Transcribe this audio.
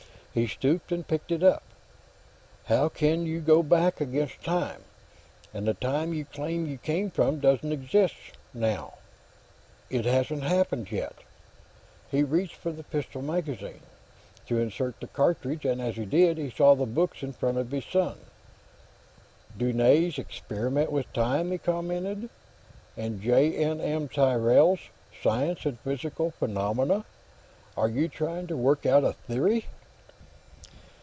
He stooped and picked it up. "How can you go back, against time? And the time you claim you came from doesn't exist, now; it hasn't happened yet." He reached for the pistol magazine, to insert the cartridge, and as he did, he saw the books in front of his son. "Dunne's 'Experiment with Time,'" he commented. "And J. N. M. Tyrrell's 'Science and Psychical Phenomena.' Are you trying to work out a theory?"